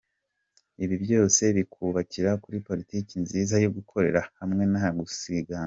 Ibi byose bikubakira kuri politiki nziza yo gukorera hamwe nta gusigana.